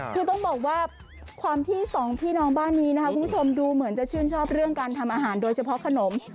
คือต้องบอกว่าความที่สองพี่น้องบ้านนี้นะคะคุณผู้ชมดูเหมือนจะชื่นชอบเรื่องการทำอาหารโดยเฉพาะขนม